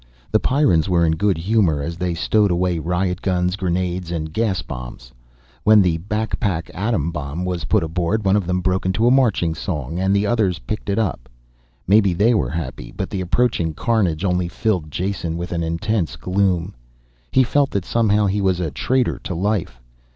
The Pyrrans were in good humor as they stowed away riot guns, grenades and gas bombs. When the back pack atom bomb was put aboard one of them broke into a marching song, and the others picked it up. Maybe they were happy, but the approaching carnage only filled Jason with an intense gloom. He felt that somehow he was a traitor to life.